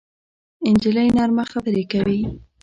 نجلۍ نرمه خبرې کوي.